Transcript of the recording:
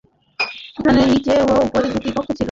এখানে নিচে এবং উপরে দু’টি কক্ষ ছিল।